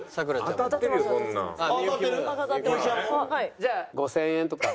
じゃあ５０００円とか。